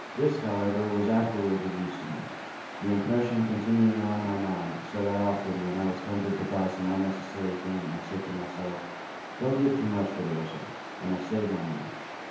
This, however, was afterwards of use to me, the impression continuing on my mind; so that often, when I was tempted to buy some unnecessary thing, I said to myself, "Don't give too much for the whistle"; and I saved my money.